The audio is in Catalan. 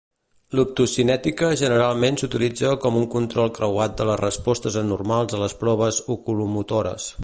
L'optocinètica generalment s'utilitza com un control creuat de les respostes anormals a les proves oculomotores.